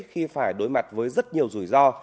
khi phải đối mặt với rất nhiều rủi ro